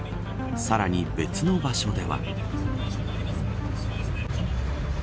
さらに別の場所では。